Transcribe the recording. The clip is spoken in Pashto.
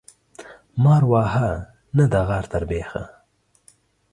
مار وهه ، نه د غار تر بيخه.